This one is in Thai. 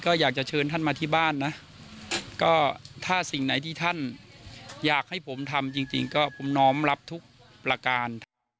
ก็อยากจะเชิญท่านมาที่บ้านนะก็ถ้าสิ่งไหนที่ท่านอยากให้ผมทำจริงก็ผมน้อมรับทุกประการ